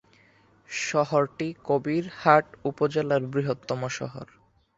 শহরটি কবিরহাট উপজেলার বৃহত্তম শহর।